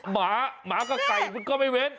หมาหมากับไก่มันก็ไม่เว้น